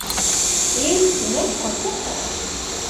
Ili ne konsentas.